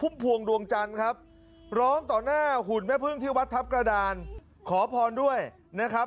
พวงดวงจันทร์ครับร้องต่อหน้าหุ่นแม่พึ่งที่วัดทัพกระดานขอพรด้วยนะครับ